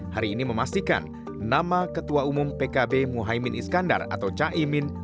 hari ini memastikan nama ketua umum pkb muhaymin iskandar atau caimin